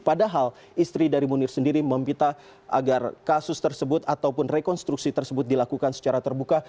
padahal istri dari munir sendiri meminta agar kasus tersebut ataupun rekonstruksi tersebut dilakukan secara terbuka